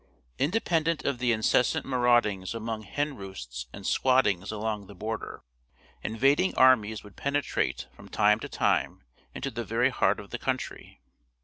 Independent of the incessant maraudings among hen roosts and squattings along the border, invading armies would penetrate, from time to time, into the very heart of the country.